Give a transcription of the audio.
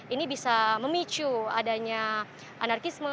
ini bisa memicu adanya anarkisme